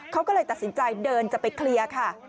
เขาก็เลยตัดสินใจเดินจะไปเคลียร์ค่ะ